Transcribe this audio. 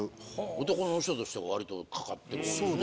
男の人としては割とかかってる方ですね。